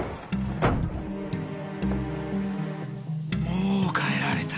もう帰られた。